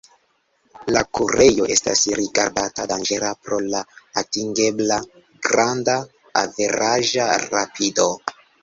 La kurejo estas rigardata danĝera pro la atingebla granda averaĝa rapido.